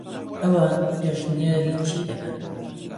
ئەوان پێشنیاری چی دەکەن؟